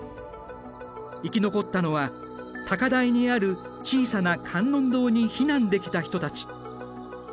生き残ったのは高台にある小さな観音堂に避難できた人たち。